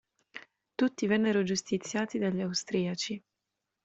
Tutti vennero giustiziati dagli austriaci.